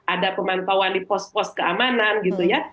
ada pemantauan di pos pos keamanan gitu ya